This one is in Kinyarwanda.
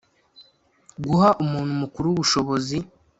guha umuntu mukuru ubushobozi